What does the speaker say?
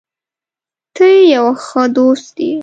ته یو ښه دوست یې.